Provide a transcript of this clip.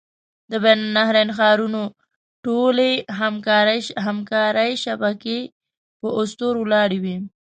د بین النهرین ښارونو ټولې همکارۍ شبکې په اسطورو ولاړې وې.